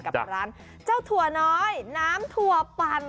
กับร้านเจ้าถั่วน้อยน้ำถั่วปั่น